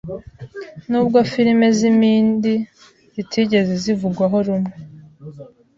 Nubwo Filimi z’impindi zitigeze zivugwaho rumwe